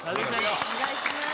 お願いします